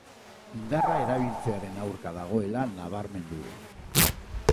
Indarra erabiltzearen aurka dagoela nabarmendu du.